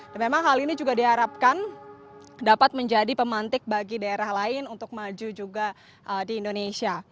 dan memang hal ini juga diharapkan dapat menjadi pemantik bagi daerah lain untuk maju juga di indonesia